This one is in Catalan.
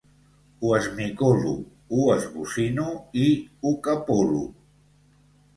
Ho esmicolo, ho esbocino i ho capolo.